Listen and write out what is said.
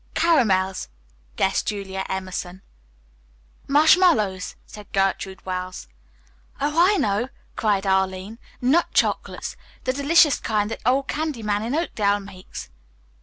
"Caramels," guessed Julia Emerson. "Marshmallows," said Gertrude Wells. "Oh, I know," cried Arline. "Nut chocolates; the delicious kind that old candy man in Oakdale makes."